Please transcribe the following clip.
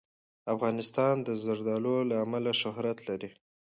افغانستان د زردالو له امله شهرت لري.